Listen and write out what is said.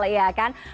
ya benar banget